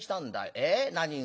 ええ何が？